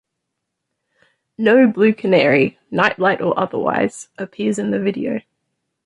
No blue canary, nightlight or otherwise, appears in the video.